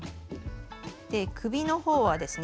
首のほうはですね